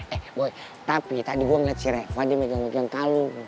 eh boy tapi tadi gua ngeliat si reva dia megang megang kalung